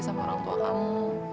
sama orang tua kamu